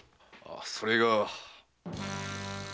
それが。